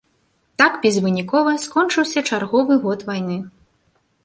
Так безвынікова скончыўся чарговы год вайны.